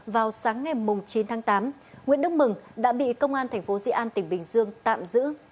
vào sáng ngày chín tháng tám nguyễn đức mừng đã bị công an thành phố dị an tỉnh bình dương tạm giữ